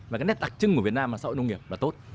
và cái nét đặc trưng của việt nam là xã hội nông nghiệp là tốt